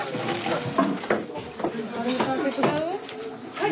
・はい？